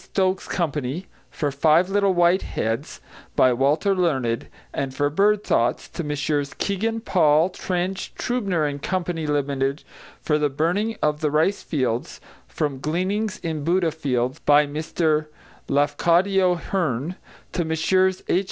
Stokes Company for Five Little White Heads, by Walter Learned, and for Bird Thoughts; to Messrs Kegan Paul, Trench, Trübner & Co. Ltd. for The Burning of the Ricefields, from Gleanings in Buddha Fields, by Mr Lafcadio Hearn; to Messrs H.